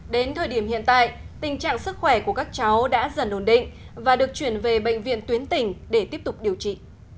đến thời điểm hiện tại tình trạng sức khỏe của các cháu đã dần ổn định và được chuyển về bệnh viện tuyến tỉnh để tiếp tục điều trị